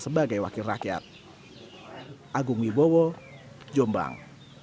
saya meneruskan merawat